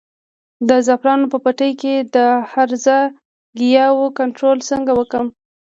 د زعفرانو په پټي کې د هرزه ګیاوو کنټرول څنګه وکړم؟